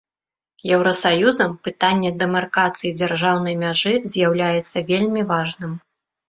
Еўрасаюзам пытанне дэмаркацыі дзяржаўнай мяжы з'яўляецца вельмі важным.